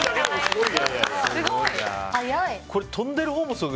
すごい！